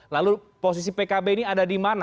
lalu posisi pkb ini ada di mana